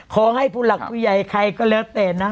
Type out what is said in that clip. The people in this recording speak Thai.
ขอให้ผู้หลักผู้ใหญ่ใครก็แล้วแต่นะ